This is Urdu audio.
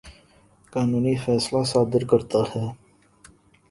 قانونی فیصلہ صادر کرتا ہے